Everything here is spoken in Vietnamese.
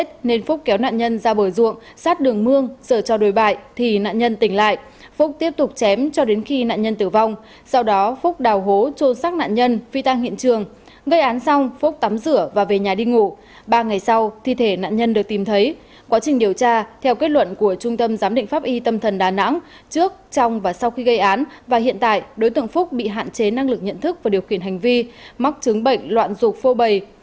trong quá trình điều tra theo kết luận của trung tâm giám định pháp y tâm thần đà nẵng trước trong và sau khi gây án và hiện tại đối tượng phúc bị hạn chế năng lực nhận thức và điều kiện hành vi mắc chứng bệnh loạn dục phô bầy